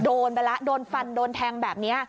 โดนไปแล้วโดนฟันโดนแทงแบบนี้